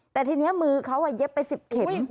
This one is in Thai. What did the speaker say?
แต่ทีนี้มือเขาเย็บไป๑๐เข็ม